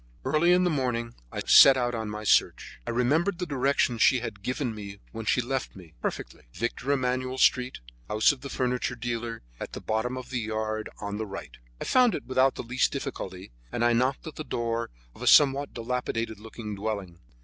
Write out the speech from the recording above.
Early in the morning I set out on my search. I remembered the directions she had given me when she left me, perfectly—Victor Emmanuel Street, house of the furniture dealer, at the bottom of the yard on the right. I found it without the least difficulty, and I knocked at the door of a somewhat dilapidated looking dwelling.